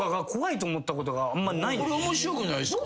これ面白くないっすか？